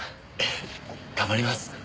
ヘヘ頑張ります。